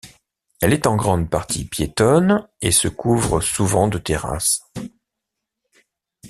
Elle est en grande partie piétonne et se couvre souvent de terrasses.